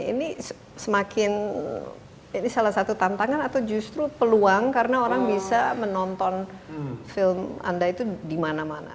ini semakin jadi salah satu tantangan atau justru peluang karena orang bisa menonton film anda itu di mana mana